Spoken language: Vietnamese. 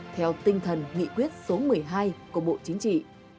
theo tinh thần nghị quyết số một mươi hai của bộ chính trị